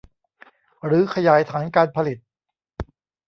หรือขยายฐานการผลิต